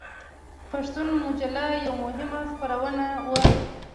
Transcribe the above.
پښتون مجله یوه مهمه خپرونه وه.